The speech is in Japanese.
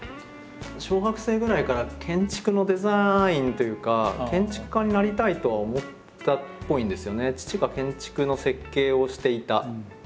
小学生ぐらいから建築のデザインというか建築家になりたいとは思ったっぽいんですよね。